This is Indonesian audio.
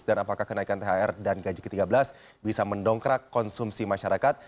dan apakah kenaikan thr dan gaji ke tiga belas bisa mendongkrak konsumsi masyarakat